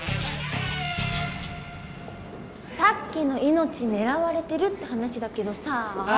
さっきの命狙われてるって話だけどさあ。